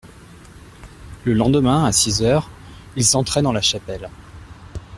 Le lendemain à six heures, ils entraient dans la chapelle.